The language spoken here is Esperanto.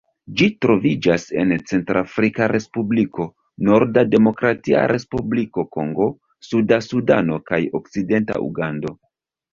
Ĝi troviĝas en Centrafrika Respubliko, norda Demokratia Respubliko Kongo, suda Sudano kaj okcidenta Ugando.